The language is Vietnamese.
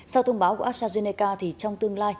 sau thông báo của astrazeneca